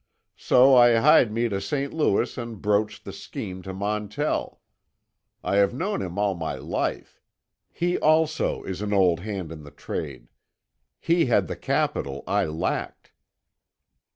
So I hied me to St. Louis and broached the scheme to Montell. I have known him all my life. He also is an old hand in the trade. He had the capital I lacked."